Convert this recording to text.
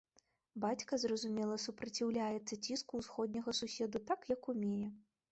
Бацька, зразумела, супраціўляецца ціску ўсходняга суседа так, як умее.